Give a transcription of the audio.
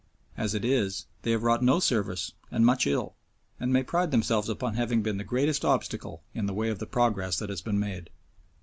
As it is they have wrought no service and much ill, and may pride themselves upon having been the greatest obstacle in the way of the progress that has been made.